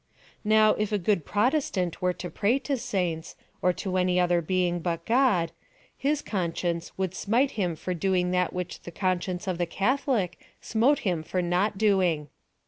Now, if a good Protestant were to pray to saints, or to any othei being but God, his conscience would smite him for doing that which the conscience of the Cathclic smote him for not doing.